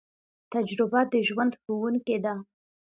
تجربه د ژوند ښوونکی ده